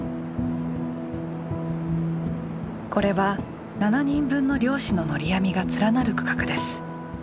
これは７人分の漁師ののり網が連なる区画です。